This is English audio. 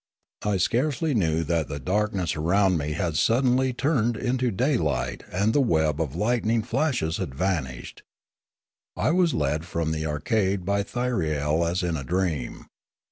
I scarcely knew that the darkness around me had suddenly turned into daylight and the web of lightning flashes had vanished; I was led from the arcade by Thyriei as in a dream.